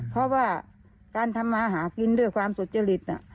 เพราะว่าการทำมาหากินด้วยความสุจริต